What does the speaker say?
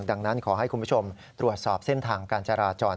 ดังนั้นขอให้คุณผู้ชมตรวจสอบเส้นทางการจราจร